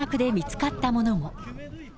一方、捜索で見つかったものも。